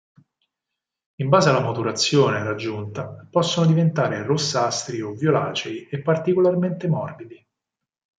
In base alla maturazione raggiunta possono diventare rossastri o violacei e particolarmente morbidi.